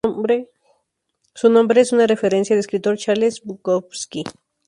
Su nombre es una referencia al escritor Charles Bukowski.